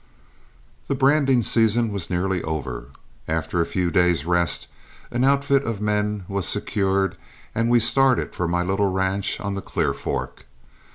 The branding season was nearly over. After a few days' rest, an outfit of men was secured, and we started for my little ranch on the Clear Fork.